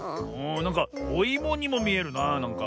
なんかおいもにもみえるななんか。